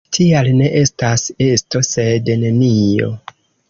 Tial ne estas esto sed nenio.